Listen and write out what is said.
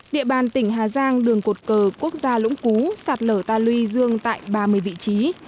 địa bàn tỉnh hà giang đường cột cờ quốc gia lũng cú sạt lở ta luy dương tại ba mươi vị trí